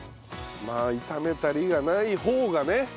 まあ炒めたりがない方がね。